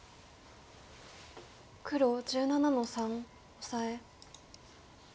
黒１７の三オサエ。